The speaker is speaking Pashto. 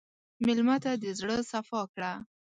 مېلمه ته د زړه صفا کړه.